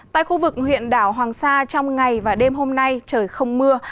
tại khu vực huyện đảo hoàng sa trong ngày và đêm hôm nay trời không mưa